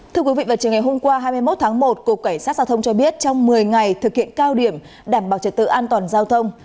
thưa quý vị vào chiều ngày hôm qua hai mươi một tháng một cục cảnh sát giao thông cho biết trong một mươi ngày thực hiện cao điểm đảm bảo trật tự an toàn giao thông